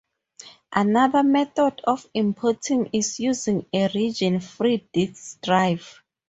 Another method of importing is using a region-free disk drive.